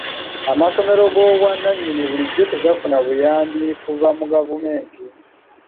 Amasomero g'obwannannyini bulijjo tegafuna buyambi kuva mu gavumenti.